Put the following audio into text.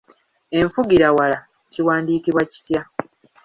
Enfugirawala kiwandiikibwa kitya?